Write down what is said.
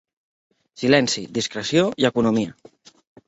Silenci, discreció i economia